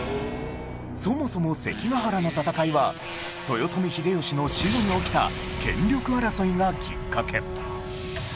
そもそも関ヶ原の戦いは豊臣秀吉の死後に起きた権力争いがきっかけ